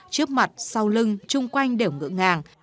trước mặt sau lưng chung quanh đều ngựa ngàng